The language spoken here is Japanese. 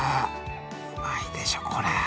うまいでしょこれ。